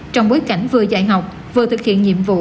trong bối cảnh vừa dạy học vừa thực hiện nhiệm vụ